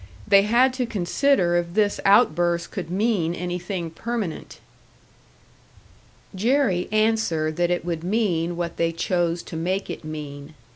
They had to consider if this outburst could mean anything permanent. Jerry answered that it would mean what they chose to make it mean.